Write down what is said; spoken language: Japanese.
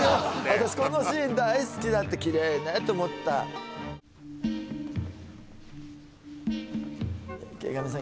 私このシーン大好きだったきれいねと思った池上さん